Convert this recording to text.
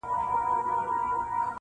د شهیدانو د قبرونو کوي-